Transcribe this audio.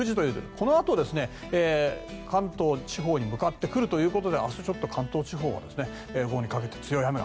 このあと、関東地方に向かってくるということで明日、関東地方は午後にかけて強い雨が。